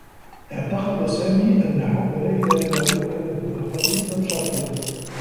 اعتقد سامي أنّ حبّ ليلى له كان دون قيد أو شرط.